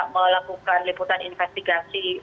melakukan liputan investigasi